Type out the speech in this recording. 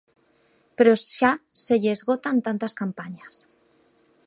Pero xa se lle esgotan tantas campañas.